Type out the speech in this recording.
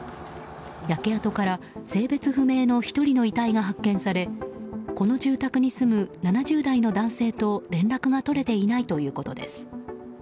焼け跡から性別不明の１人の遺体が発見されこの住宅に住む７０代の男性と連絡が取れていないということです。